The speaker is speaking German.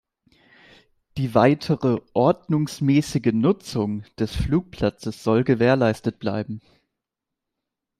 Die weitere "ordnungsgemäße Nutzung" des Flugplatzes soll gewährleistet bleiben.